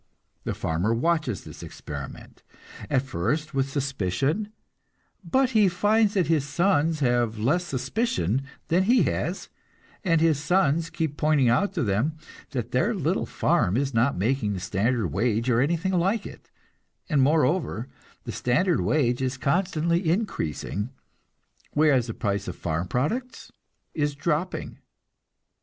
The farmer watches this experiment, at first with suspicion; but he finds that his sons have less suspicion than he has, and his sons keep pointing out to him that their little farm is not making the standard wage or anything like it; and, moreover, the standard wage is constantly increasing, whereas, the price of farm products is dropping.